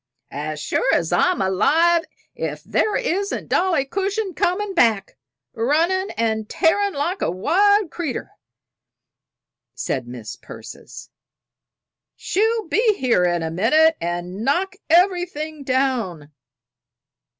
"As sure as I'm alive! if there isn't Dolly Cushing comin' back runnin' and tearin' like a wild cretur'," said Mis' Persis. "She'll be in here in a minute and knock everything down!"